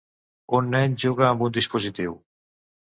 Un nen juga amb un dispositiu.